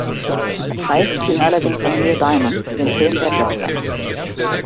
Der Preis ging allerdings an Neil Diamond für den Film "Der Jazz-Sänger".